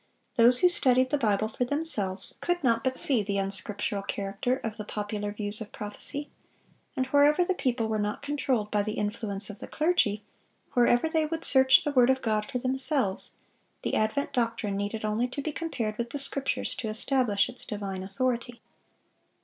Those who studied the Bible for themselves could not but see the unscriptural character of the popular views of prophecy; and wherever the people were not controlled by the influence of the clergy, wherever they would search the word of God for themselves, the advent doctrine needed only to be compared with the Scriptures to establish its divine authority.